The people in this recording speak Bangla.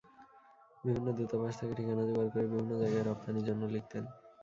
বিভিন্ন দূতাবাস থেকে ঠিকানা জোগাড় করে বিভিন্ন জায়গায় রপ্তানির জন্য লিখতেন।